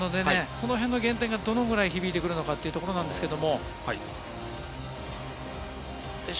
その辺の減点がどのぐらい響いてくるのかというところですけど。